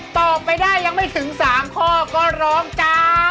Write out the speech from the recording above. ตอบไปได้ยังไม่ถึง๓ข้อก็ร้องจ้า